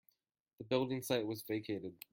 The building site was vacated.